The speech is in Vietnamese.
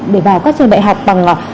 để vào các trường đại học bằng